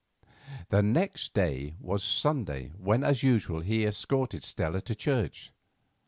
The next day was Sunday, when, as usual, he escorted Stella to church.